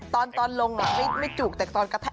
ตอนลงอ่ะใครไม่จุกแต่ครั้งกระแท๊ก